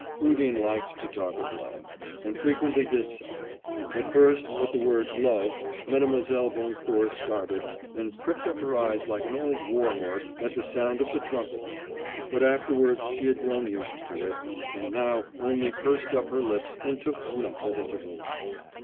Rudin liked to talk of love, and frequently did so. At first, at the word 'love,' Mlle. Boncourt started, and pricked up her eyes like an old war horse at the sound of the trumpet; but afterwards she had grown used to it, and now only pursed up her lips and took snuff at intervals.